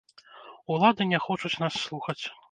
Улады не хочуць нас слухаць.